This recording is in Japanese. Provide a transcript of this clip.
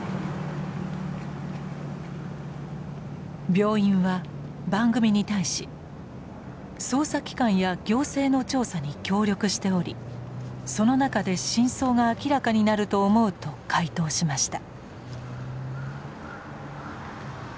病院は番組に対し捜査機関や行政の調査に協力しておりその中で真相が明らかになると思うと回答しました。